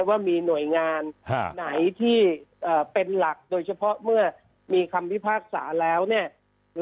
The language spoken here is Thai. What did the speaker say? ว่ามีหน่วยงานไหนที่เป็นหลักโดยเฉพาะเมื่อมีคำพิพากษาแล้วเนี่ย